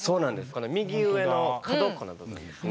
この右上の角っこの部分ですね。